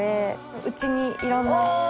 うちにいろんな。